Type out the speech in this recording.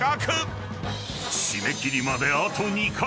［締め切りまであと２カ月］